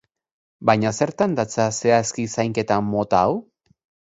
Baina zertan datza zehazki zainketa mota hau?